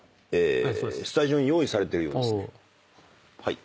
スタジオに用意されてるようですね。